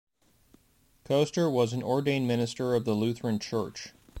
Koester was an ordained minister of the Lutheran Church.